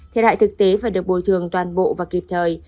thiệt hại thực tế phải được bồi thường toàn bộ và kịp thời